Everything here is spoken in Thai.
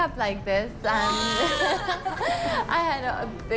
คุณไม่ค่อยพบแบบนี้